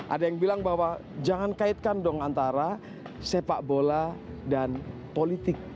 ada yang bilang bahwa jangan kaitkan dong antara sepak bola dan politik